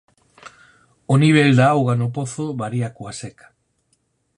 O nivel da auga no pozo varía coa seca.